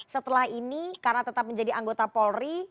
setelah ini karena tetap menjadi anggota polri